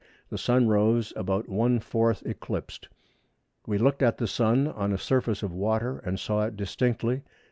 The Sun rose about one fourth eclipsed. We looked at the Sun on a surface of water and saw it distinctly.